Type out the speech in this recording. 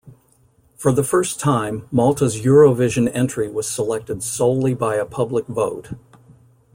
For the first time, Malta's Eurovision entry was selected solely by a public vote.